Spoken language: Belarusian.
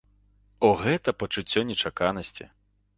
О, гэта пачуццё нечаканасці!